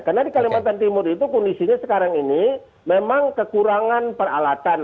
karena di kalimantan timur itu kondisinya sekarang ini memang kekurangan peralatan